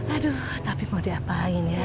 aduh tapi mau diapain ya